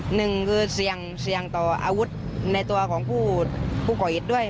หนึ่งคือเสี่ยงเสี่ยงต่ออาวุธในตัวของผู้ก่อเหตุด้วย